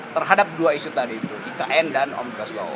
terhadap dua isu tadi itu ikn dan om braslo